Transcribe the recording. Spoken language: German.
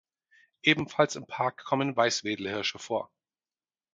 Ebenfalls im Park kommen Weißwedelhirsche vor.